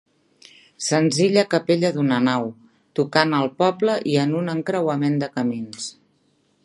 Senzilla capella d'una nau, tocant al poble i en un encreuament de camins.